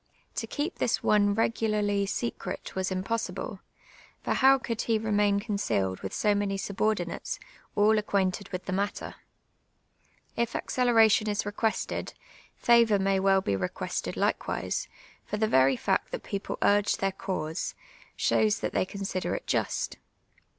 To keep this one re<;ularly secret was im possible ; for how could he remain concealed with so many subordinates, all acquainted with the matter r If acceleration is requested, favour may well be requested likewise, for the very fact that ])eople urj^e their cause, shows that they consider it just.